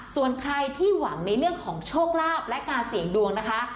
ส่วนใครที่หวังในเรื่องของโชคลาภและการเสี่ยงดวงนะคะ